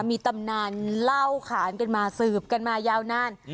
มีตำนานเล่าขานกันมาสืบกันมายาวนาน